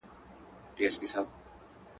اباسین راغی غاړي غاړي.